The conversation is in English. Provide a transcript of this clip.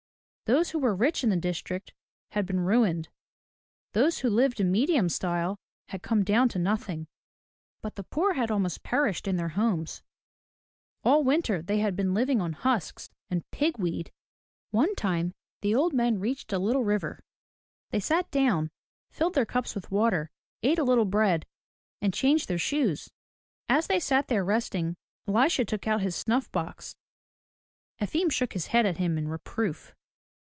Those who were rich in the district had been ruined; those who lived in medium style had come down to nothing; but the poor had almost perished in their homes. All winter they had been living on husks and pig weed. 155 MY BOOK HOUSE One time the old men reached a little river. They sat down, filled their cups with water, ate a little bread, and changed their shoes. As they sat there resting, Elisha took out his snuff box. Efim shook his head at him in reproof.